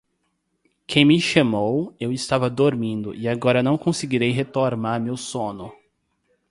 Quem me chamou, eu estava dormindo e agora não conseguirei retomar meu sono.